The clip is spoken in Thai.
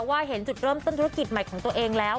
เห็นจุดเริ่มต้นธุรกิจใหม่ของตัวเองแล้ว